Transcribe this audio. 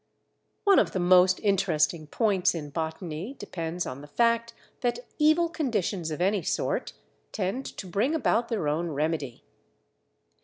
One of the most interesting points in botany depends on the fact that evil conditions of any sort tend to bring about their own remedy.